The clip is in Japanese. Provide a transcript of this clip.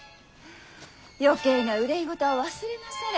余計な憂い事は忘れなされ。